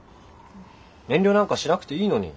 遠慮なんかしなくていいのに。